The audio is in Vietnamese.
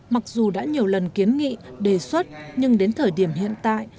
mặc dù đã nhiều lần kiến nghị đề xuất nhưng đến thời điểm hiện tại